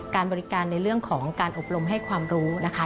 การบริการในเรื่องของการอบรมให้ความรู้นะคะ